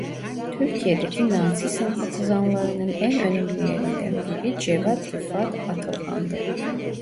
Türkiye'deki Nazi sempatizanlarının en önemlilerinden biri Cevat Rıfat Atilhan'dı.